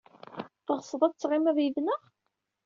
Teɣsed ad tettɣimid yid-neɣ?